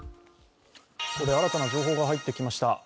ここで新たな情報が入ってきました。